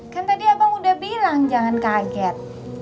kan tadi abang udah bilang jangan kaget